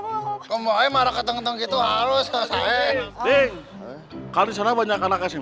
mau kemarin marah keteng keteng gitu harus selesai nih kalau sana banyak anaknya sih